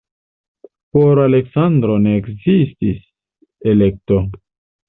Por Aleksandro ne ekzistis elekto.